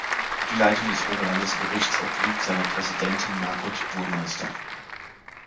Die Leitung des Oberlandesgerichts obliegt seiner Präsidentin Margot Burmeister.